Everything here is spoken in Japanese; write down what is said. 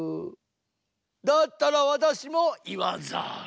だったらわたしもいわざる。